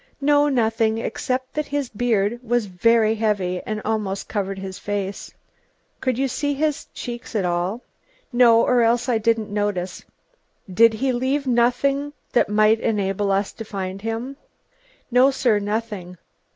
"No, nothing except that his beard was very heavy and almost covered his face." "Could you see his cheeks at all?" "No, or else I didn't notice." "Did he leave nothing that might enable us to find him?" "No, sir, nothing.